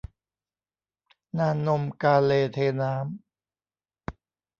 นานนมกาเลเทน้ำ